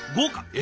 え！